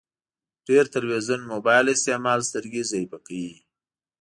ډير تلويزون مبايل استعمالول سترګي ضعیفه کوی